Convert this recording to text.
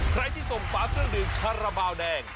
ใครที่ส่งฝาเครื่องดื่มคาราบาลแดง